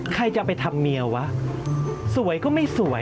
ใครจะไปทำเมียวะสวยก็ไม่สวย